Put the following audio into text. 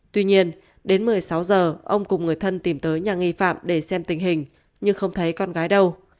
tuy nhiên đến một mươi sáu giờ ông cùng người thân tìm tới nhà nghi phạm để xem tình hình nhưng không thấy con gái đâu